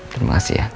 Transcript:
terima kasih ya